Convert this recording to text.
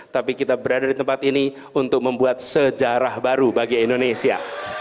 tapi kita berada di tempat ini untuk membuat sejarah baru bagi indonesia